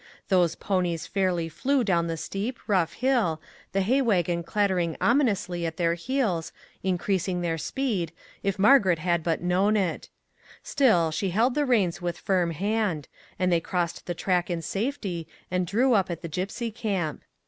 Those ponies fairly flew down the steep, rough hill, the hay wagon clattering ominously at their heels, increasing their speed, if Margaret had but known it; still, she held the 233 MAG AND MARGARET v reins with firm hand, and they crossed the track in safety and drew up at the gypsy camp.